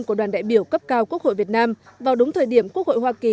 của đoàn đại biểu cấp cao quốc hội việt nam vào đúng thời điểm quốc hội hoa kỳ